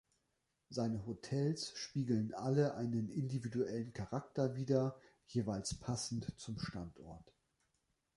Seine Hotels spiegeln alle einen individuellen Charakter wider, jeweils passend zum Standort.